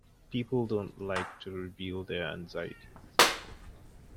People don't like to reveal their anxieties.